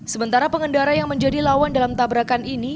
sementara pengendara yang menjadi lawan dalam tabrakan ini